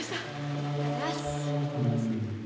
ありがとうございます。